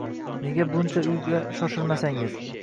Nega buncha uyga shoshilmasangiz